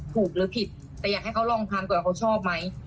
หรือผิดแต่อยากให้เขาลองทำก่อนเขาชอบไหม